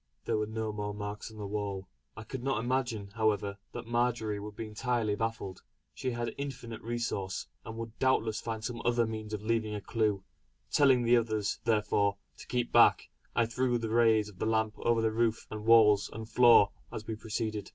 There were no more marks on the wall. I could not imagine, however, that Marjory would be entirely baffled. She had infinite resource, and would doubtless find some other means of leaving a clue. Telling the others therefore to keep back I threw the rays of the lamp over roof and walls and floor as we proceeded.